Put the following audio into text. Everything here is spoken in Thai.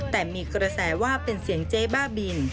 แต่มีกระแสว่าเป็นเสียงเจ๊บ้าบิน